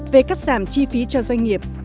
về cắt giảm chi phí cho doanh nghiệp